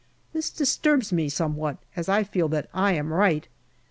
This disturbs me somewhat, as I feel that I am right.